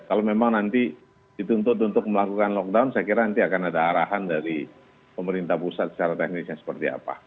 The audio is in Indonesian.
kalau memang nanti dituntut untuk melakukan lockdown saya kira nanti akan ada arahan dari pemerintah pusat secara teknisnya seperti apa